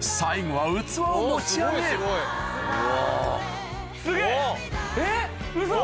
最後は器を持ち上げすげぇえっウソ！